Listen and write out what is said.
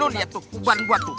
lu lihat tuh uban gue tuh